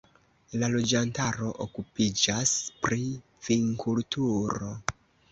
La loĝantaro okupiĝas pri vinkulturo.